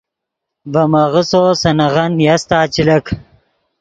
ڤے میغسّو سے نغن نیاستا چے لک